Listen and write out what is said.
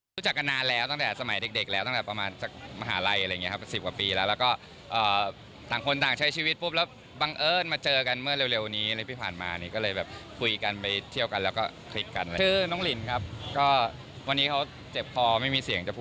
ทุกอย่างมันสบายพร้อมจะดูแลอีกคนหนึ่ง